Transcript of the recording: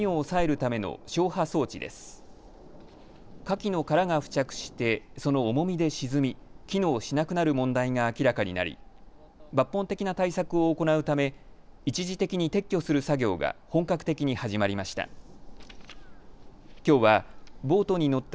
かきの殻が付着してその重みで沈み機能しなくなる問題が明らかになり抜本的な対策を行うため一時的に撤去する作業が本格的に始まりました。